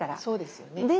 そうですよね。